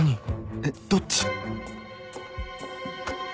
えっどっち？